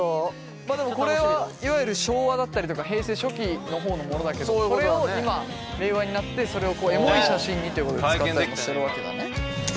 まあでもこれはいわゆる昭和だったりとか平成初期の方のものだけどそれを今令和になってそれをエモい写真にということで使ったりもしてるわけだね。